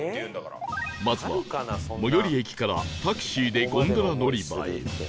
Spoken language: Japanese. まずは最寄り駅からタクシーでゴンドラ乗り場へ